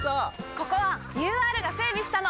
ここはＵＲが整備したの！